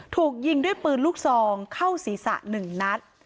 ถูกยิงด้วยปืนลูกซองเข้าศีรษะ๑นัด